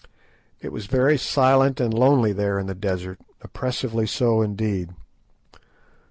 It was very silent and lonely there in the desert, oppressively so indeed.